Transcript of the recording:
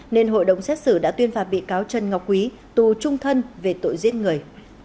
nên hội đồng xét xử đã tuyên phạt bị cáo trần ngọc quý tù trung thân về tội giết người